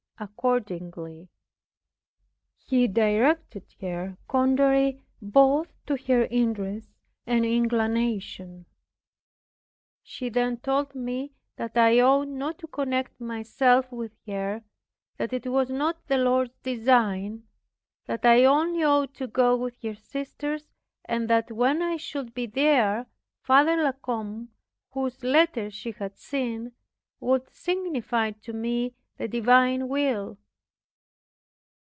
Accordingly, He directed her contrary both to her interests and inclination. She then told me that I ought not to connect myself with her, that it was not the Lord's design; that I only ought to go with her sister's, and that when I should be there, Father La Combe, (whose letter she had seen) would signify to me the divine will.